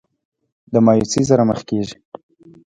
د مايوسۍ سره مخ کيږي